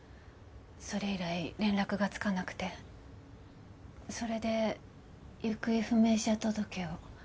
それ以来連絡がつかなくてそれで行方不明者届を。